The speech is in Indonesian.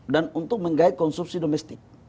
dan untuk menggait konsumsi domestik